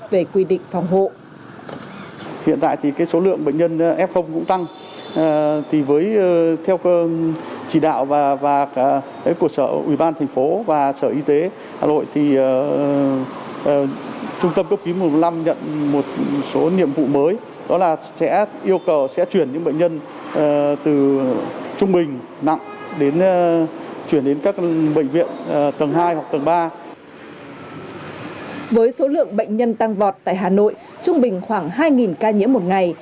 với số lượng bệnh nhân tăng vọt tại hà nội trung bình khoảng hai ca nhiễm một ngày